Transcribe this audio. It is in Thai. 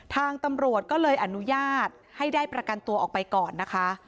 ทางตำรวจก็เลยอนุญาตให้ได้ประกันตัวออกไปก่อนนะคะ